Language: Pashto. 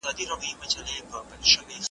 هغوی ښه ژوند نسي سره کولای